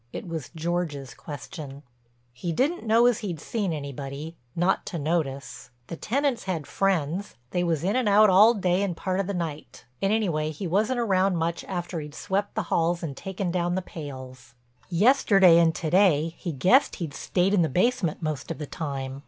It was George's question. He didn't know as he'd seen anybody—not to notice. The tenants had friends, they was in and out all day and part of the night. And anyway he wasn't around much after he'd swept the halls and taken down the pails. Yesterday and to day he guessed he'd stayed in the basement most of the time.